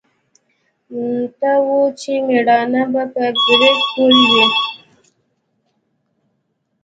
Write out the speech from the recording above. ته وا چې مېړانه به په برېت پورې وي.